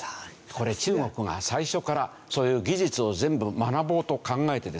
これ中国が最初からそういう技術を全部学ぼうと考えてですね。